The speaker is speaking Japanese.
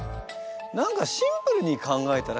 何かシンプルに考えたら？